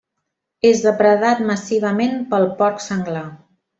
És depredat massivament pel porc senglar.